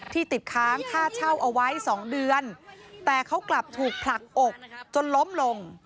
ติดค้างค่าเช่าเอาไว้๒เดือนแต่เขากลับถูกผลักอกจนล้มลง